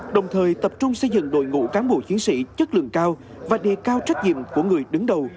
đồng thời tập trung xây dựng đội ngũ cán bộ chiến sĩ chất lượng cao và đề cao trách nhiệm của người đứng đầu